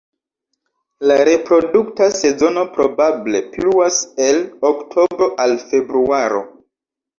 La reprodukta sezono probable pluas el oktobro al februaro.